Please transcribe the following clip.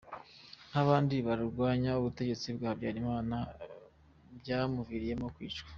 Nk’abandi barwanyaga ubutegetsi bwa Habyarimana, byamuviriyemo kwicwa.